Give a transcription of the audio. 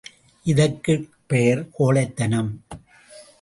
இதற்குப் பெயர் கோழைத்தனம்.